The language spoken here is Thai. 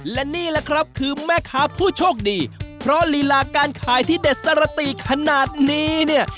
และนี่แหละครับคือแม่ค้าผู้โชคดีเพราะลีลาการขายที่เด็ดสรติขนาดนี้เนี่ย